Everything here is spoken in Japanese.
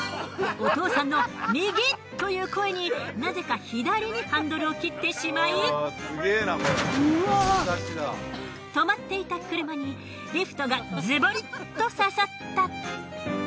お父さんの右！という声になぜか左にハンドルを切ってしまい停まっていた車にリフトがズボリと刺さった。